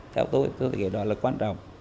theo tôi tôi nghĩ đó là quan trọng